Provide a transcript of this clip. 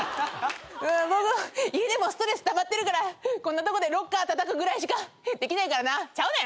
「家でもストレスたまってるからこんなとこでロッカーたたくぐらいしかできないからな」ちゃうねん！